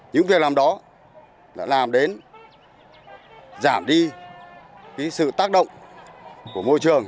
những việc làm đó đã làm đến giảm đi sự tác động của môi trường